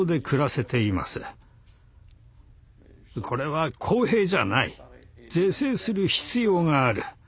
「これは公平じゃない。是正する必要がある」。